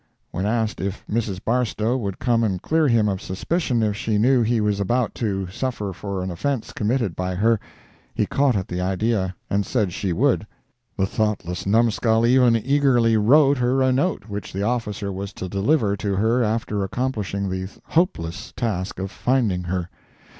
When asked if Mrs. Barstow would come and clear him of suspicion if she knew he was about to suffer for an offence committed by her, he caught at the idea, and said she would; the thoughtless numskull even eagerly wrote her a note, which the officer was to deliver to her after accomplishing the hopeless task of finding her.